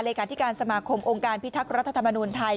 การที่การสมาคมองค์การพิทักษ์รัฐธรรมนูญไทย